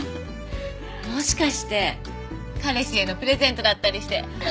もしかして彼氏へのプレゼントだったりして。